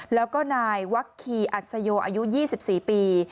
แล้วก็นายวักคีอัศโยอายุ๒๔ปี